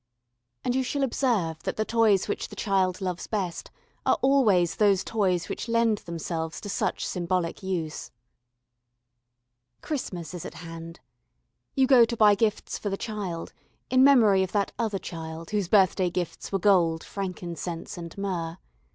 ] And you shall observe that the toys which the child loves best are always those toys which lend themselves to such symbolic use. [Illustration: THE TOMB IN THE DESERT. 18]] Christmas is at hand. You go to buy gifts for the child, in memory of that Other Child whose birthday gifts were gold, frankincense, and myrrh.